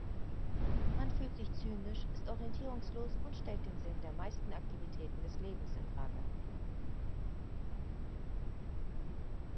Man fühlt sich zynisch, ist orientierungslos und stellt den Sinn der meisten Aktivitäten des Lebens in Frage.